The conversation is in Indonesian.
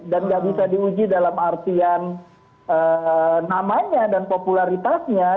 dan tidak bisa diuji dalam artian namanya dan popularitasnya